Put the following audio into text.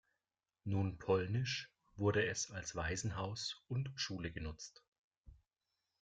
Nun polnisch, wurde es als Waisenhaus und -schule genutzt.